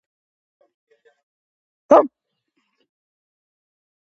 მის შრომებში ოხლოკრატია წარმოდგენილია, როგორც დემოკრატიის დასუსტებული ან გადაგვარებული ფორმა.